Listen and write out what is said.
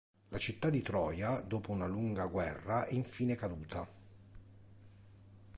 La città di Troia, dopo una lunga guerra, è infine caduta.